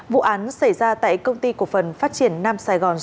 vụ án xảy ra tại công ty cộng phần phát triển nam sài gòn